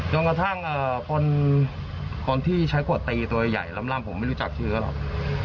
จนกระทั่งคนที่ใช้ขวดตีตัวใหญ่ล้ำผมไม่รู้จักชื่อเขาหรอก